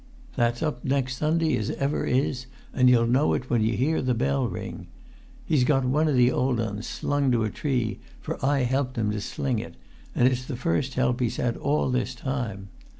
"That's up next Sunday as ever is, and you'll know it when you hear the bell ring. He's got one of the old uns slung to a tree, for I helped him to sling it, and it's the first help he's had all this time.